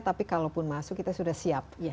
tapi kalau pun masuk kita sudah siap